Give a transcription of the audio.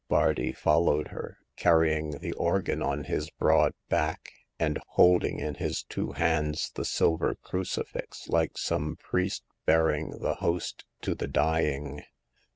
Bardi followed her, carrying the organ on his broad back, and holding in his two hands the silver crucifix, like some priest bearing the Host to the dying.